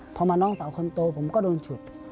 พอมาน้องสาวคนโตผมก็โดนฉุด